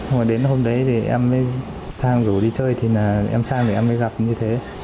hồi đến hôm đấy thì em với trang rủ đi chơi thì em trang thì em mới gặp như thế